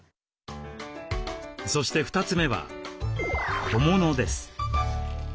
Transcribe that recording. そして２つ目は小物です。